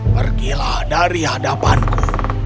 pergilah dari hadapanku